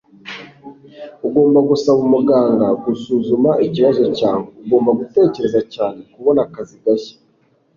Ugomba gusaba umuganga gusuzuma ikibazo cyawe. Ugomba gutekereza cyane kubona akazi gashya.